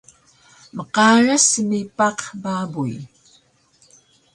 mqaras smipaq babuy